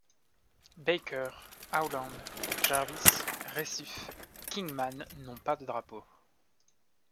Baker, Howland, Jarvis, Récif Kingman n'ont pas de drapeaux.